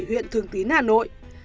huyện thường tín hà nội